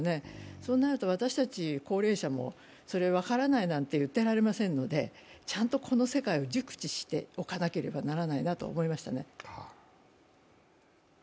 そうなると私たち、高齢者もそれ、分からないなんて言ってられませんのでちゃんとこの世界を熟知しておかなければならないなと思いましたね。